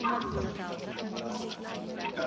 زه اجازه لرم چي مرسته وکړم!